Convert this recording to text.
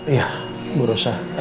iya bu rosah